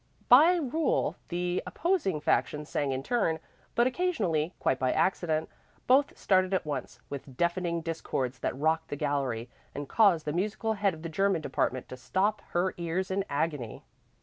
By rule the opposing factions sang in turn, but occasionally, quite by accident, both started at once, with deafening discords that rocked the gallery, and caused the musical head of the German Department to stop her ears in agony.